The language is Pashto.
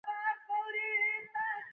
سوله د ارامۍ، پرمختګ او همغږۍ لامل ده.